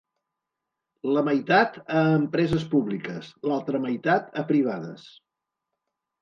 La meitat, a empreses públiques; l’altra meitat, a privades.